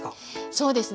そうですね。